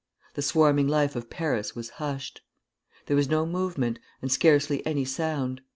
The swarming life of Paris was hushed. There was no movement, and scarcely any sound.